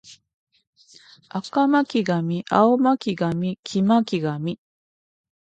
赤巻上青巻紙黄巻紙